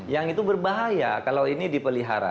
yang itu berbahaya kalau ini dipelihara